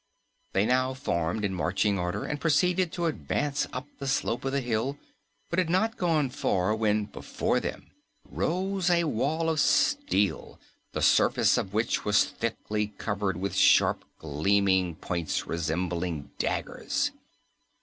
They now formed in marching order and proceeded to advance up the slope of the hill, but had not gone far when before them rose a wall of steel, the surface of which was thickly covered with sharp, gleaming points resembling daggers.